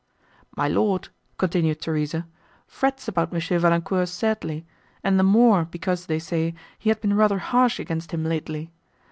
"My Lord," continued Theresa, "frets about M. Valancourt sadly, and the more, because, they say, he had been rather harsh against him lately.